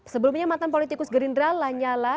sebelumnya mantan politikus gerindra lanyala